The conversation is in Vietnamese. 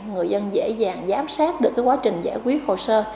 người dân dễ dàng giám sát được quá trình giải quyết hồ sơ